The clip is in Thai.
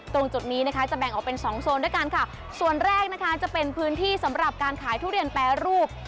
ตรงจุดนี้นะคะจะแบ่งออกเป็นสองโซนด้วยกันค่ะส่วนแรกนะคะจะเป็นพื้นที่สำหรับการขายทุเรียนแปรรูป